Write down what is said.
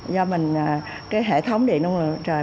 do mình cái hệ thống điện năng lượng mặt trời